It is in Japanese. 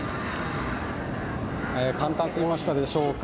簡単すぎましたでしょうか。